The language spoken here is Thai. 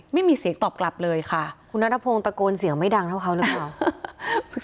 ไม่มีเสียงตอบกลับเลยค่ะคุณนัทพงศ์ตะโกนเสียงไม่ดังเท่าเขาหรือเปล่า